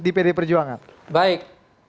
di pd perjuangan baik